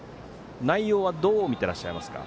内容はどう見てらっしゃいますか。